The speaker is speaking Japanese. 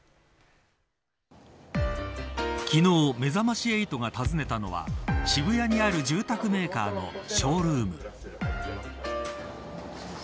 昨日、めざまし８が訪ねたのは渋谷にある住宅メーカーのショールーム。